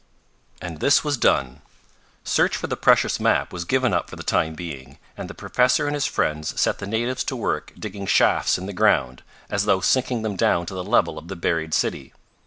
And this was done. Search for the precious map was given up for the time being, and the professor and his friends set the natives to work digging shafts in the ground, as though sinking them down to the level of the buried city.